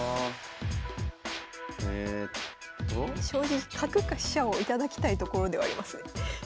将棋角か飛車を頂きたいところではありますね。